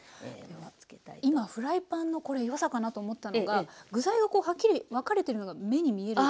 今フライパンのこれよさかなと思ったのが具材がこうはっきり分かれてるのが目に見える。